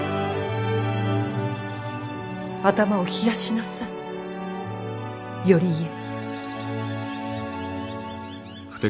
頭を冷やしなさい頼家。